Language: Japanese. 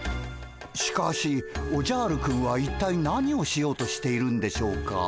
しかしおじゃるくんは一体何をしようとしているんでしょうか。